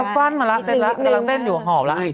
เต้นกับฟันมาแล้วเต้นอยู่หอบแล้ว